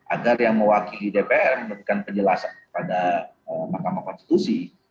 agar yang mewakili dpr menentukan penjelasan pada mahkamah konstitusi